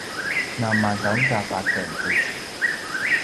namadaudav aken tucu